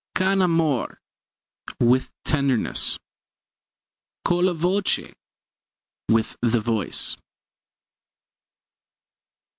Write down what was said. Con amore with tenderness. Colla voce with the voice.